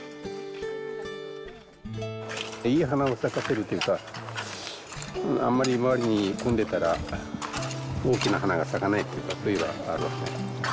いい花を咲かせるというかあんまり周りが混んでいたら大きな花が咲かないというかそういうのがありますね。